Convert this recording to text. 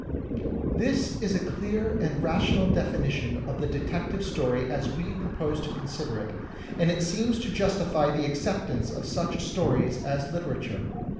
This is a clear and rational definition of the Detective Story as we propose to consider it, and it seems to justify the acceptance of such stories as literature.